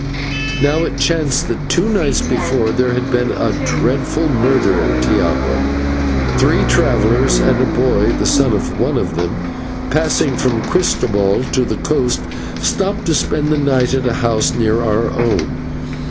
Now, it chanced that two nights before there had been a dreadful murder in Tiapa. Three travellers and a boy, the son of one of them, passing from San Christobel to the coast, stopped to spend the night at a house near our own.